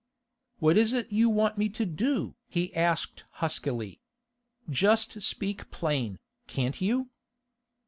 'What is it you want me to do?' he asked huskily. 'Just speak plain, can't you?